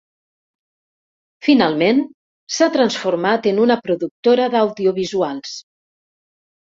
Finalment, s'ha transformat en una productora d'audiovisuals.